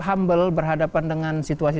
humble berhadapan dengan situasi